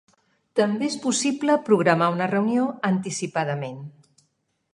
També és possible programar una reunió anticipadament.